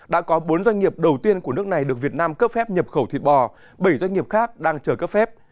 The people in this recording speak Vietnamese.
đã có bốn doanh nghiệp đầu tiên của nước này được việt nam cấp phép nhập khẩu thịt bò bảy doanh nghiệp khác đang chờ cấp phép